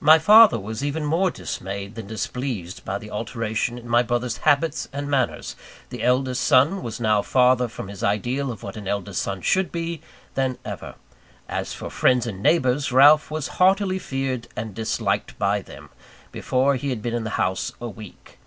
My father was even more dismayed than displeased by the alteration in my brother's habits and manners the eldest son was now farther from his ideal of what an eldest son should be, than ever. As for friends and neighbours, Ralph was heartily feared and disliked by them, before he had been in the house a week.